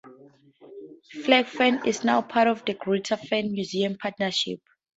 Flag Fen is now part of the Greater Fens Museum Partnership.